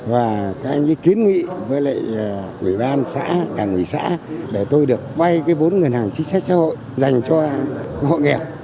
và các anh ấy kiến nghị với lại ủy ban xã đảng ủy xã để tôi được vay cái vốn ngân hàng chính sách xã hội dành cho hội nghèo